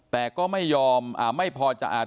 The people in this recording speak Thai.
แต่ก็ไม่ยอมไม่พอจะอาจ